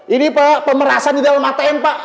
ini pak pemerasan di dalam atm pak